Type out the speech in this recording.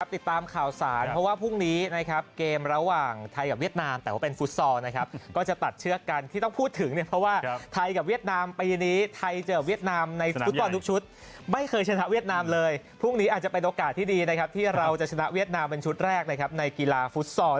ติดตามข่าวสารเพราะว่าพรุ่งนี้นะครับเกมระหว่างไทยกับเวียดนามแต่ว่าเป็นฟุตซอลนะครับก็จะตัดเชือกกันที่ต้องพูดถึงเนี่ยเพราะว่าไทยกับเวียดนามปีนี้ไทยเจอเวียดนามในฟุตบอลทุกชุดไม่เคยชนะเวียดนามเลยพรุ่งนี้อาจจะเป็นโอกาสที่ดีนะครับที่เราจะชนะเวียดนามเป็นชุดแรกนะครับในกีฬาฟุตซอล